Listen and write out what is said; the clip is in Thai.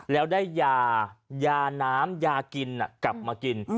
แล้วได้ยายาน้ำยากินกลับมากิน